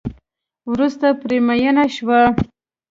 وروسته پرې میېنه شوه.